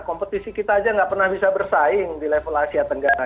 kompetisi kita aja nggak pernah bisa bersaing di level asia tenggara